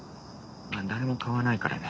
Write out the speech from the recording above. あっ誰も買わないからだ。